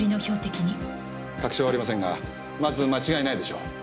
確証はありませんがまず間違いないでしょう。